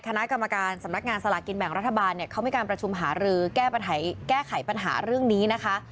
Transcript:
คณะกรรมการสำนักงานสลากินแบ่งรัฐบาลเนี่ยเขามีการประชุมหารือแก้ไขปัญหาเรื่องนี้นะคะ